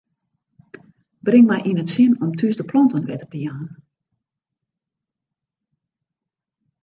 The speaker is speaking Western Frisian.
Bring my yn it sin om thús de planten wetter te jaan.